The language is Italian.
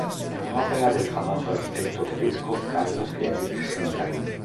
È un'opera del famoso architetto tedesco Karl Friedrich Schinkel.